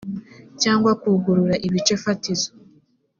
cyangwa kugurura ibice fatizo